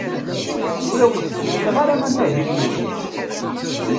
Ur awen-ttkemmileɣ ara amahil-nwen.